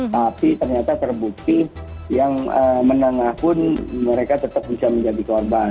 tapi ternyata terbukti yang menengah pun mereka tetap bisa menjadi korban